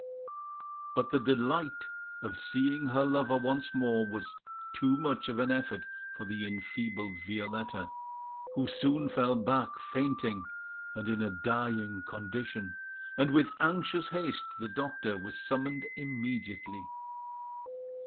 But the delight of seeing her lover once more was too much of an effort for the enfeebled Violetta, who soon fell back fainting, and in a dying condition; and with anxious haste the doctor was summoned immediately.